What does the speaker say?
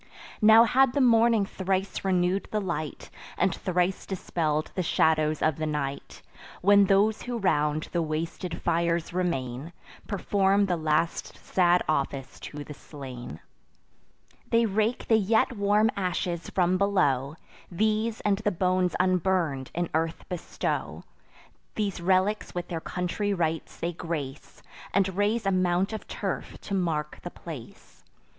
Now had the morning thrice renew'd the light, And thrice dispell'd the shadows of the night, When those who round the wasted fires remain, Perform the last sad office to the slain. They rake the yet warm ashes from below; These, and the bones unburn'd, in earth bestow; These relics with their country rites they grace, And raise a mount of turf to mark the place.